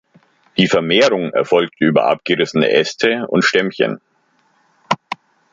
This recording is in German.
Die Vermehrung erfolgt über abgerissene Äste und Stämmchen.